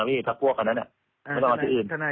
เพราะว่าตอนแรกมีการพูดถึงนิติกรคือฝ่ายกฎหมาย